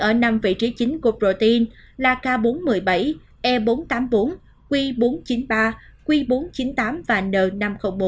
ở năm vị trí chính của protein là k bốn trăm một mươi bảy e bốn trăm tám mươi bốn q bốn trăm chín mươi ba q bốn trăm chín mươi tám và n năm trăm linh bốn